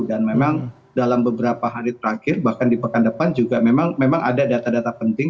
dan memang dalam beberapa hari terakhir bahkan di pekan depan juga memang ada data data penting